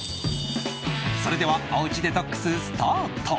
それではおうちデトックス、スタート。